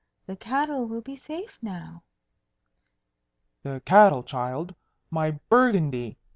"The cattle will be safe now." "The cattle, child! my Burgundy!